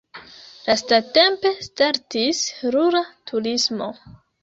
Lastatempe startis rura turismo.